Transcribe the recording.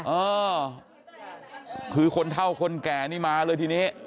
เออคือคนเท่าคนแก่นี่มาเลยทีนี้